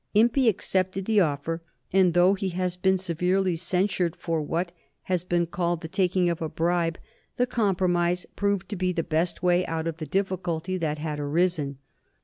Impey accepted the offer, and, though he has been severely censured for what has been called the taking of a bribe, the compromise proved to be the best way out of the difficulty that had arisen.